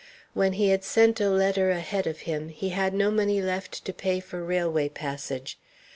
When he had sent a letter ahead of him, he had no money left to pay for railway passage.